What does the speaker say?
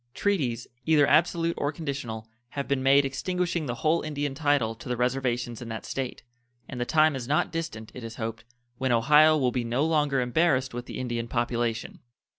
Treaties, either absolute or conditional, have been made extinguishing the whole Indian title to the reservations in that State, and the time is not distant, it is hoped, when Ohio will be no longer embarrassed with the Indian population.